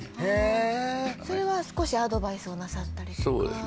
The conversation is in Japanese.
それは少しアドバイスをなさったりとか？